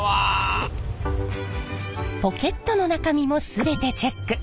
ポケットの中身も全てチェック！